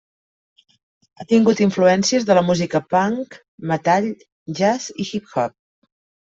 Ha tingut influències de la música punk, metall, jazz i hip-hop.